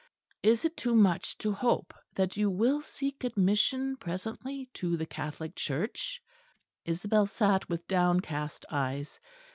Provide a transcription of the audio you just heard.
Is it too much to hope that you will seek admission presently to the Catholic Church?" Isabel sat with downcast eyes.